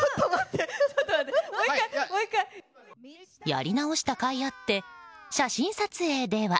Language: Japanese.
やり直したかいあって写真撮影では。